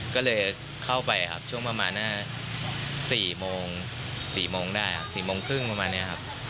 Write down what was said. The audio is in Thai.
ก็เลยเข้าไปครับช่วงประมาณ๔โมง๔โมงได้ครับ๔โมงครึ่งประมาณนี้ครับ